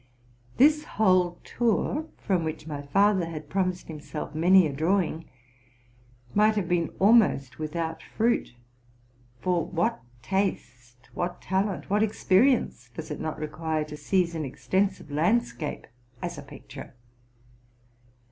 This whole tour, from which my father had promised him seif many a drawing, might have been almost without fruit ; for what taste, what talent, what experience, does it not require to seize an extensive landscape as a picture!